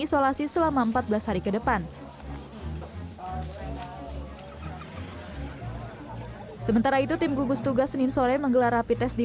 isolasi selama empat belas hari ke depan sementara itu tim gugus tugas senin sore menggelar rapi tes di